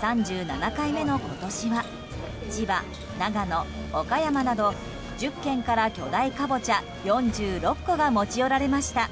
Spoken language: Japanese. ３７回目の今年は千葉、長野、岡山など１０県から巨大カボチャ４６個が持ち寄られました。